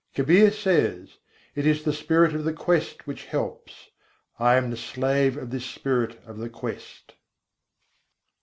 Kabîr says: "It is the Spirit of the quest which helps; I am the slave of this Spirit of the quest."